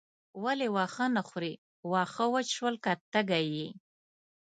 ولې واښه نه خورې واښه وچ شول که تږې یې.